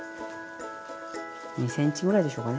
２ｃｍぐらいでしょうかね？